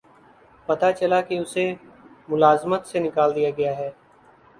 پتہ چلا کہ اسے ملازمت سے نکال دیا گیا ہے